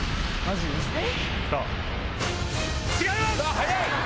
早い！